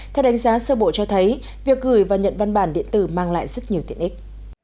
theo đánh giá sơ bộ cho thấy việc gửi và nhận văn bản điện tử mang lại rất nhiều tiện ích